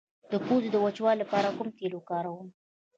د پوزې د وچوالي لپاره کوم تېل وکاروم؟